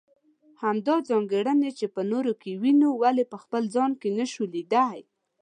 همدا ځانګړنې چې په نورو کې وينو ولې په خپل ځان کې نشو ليدلی.